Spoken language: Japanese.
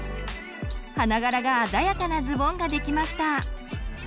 花柄が鮮やかなズボンができました！